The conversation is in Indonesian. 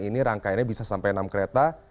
ini rangkaiannya bisa sampai enam kereta